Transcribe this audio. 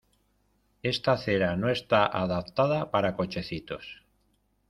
Esta acera no está adaptada para cochecitos.